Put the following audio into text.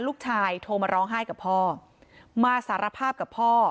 โทรมาร้องไห้กับพ่อมาสารภาพกับพ่อ